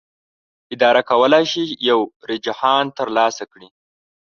اداره کولی شي یو رجحان ترلاسه کړي.